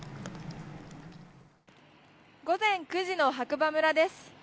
午前９時の白馬村です。